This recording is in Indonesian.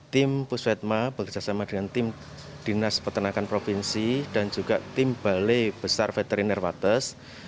tim pusvetma bekerjasama dengan tim dinas peternakan provinsi dan juga tim balai besar veteriner wates